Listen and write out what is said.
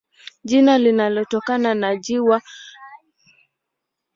Jina linatokana na ziwa Mai-Ndombe linalopatikana katikati yake.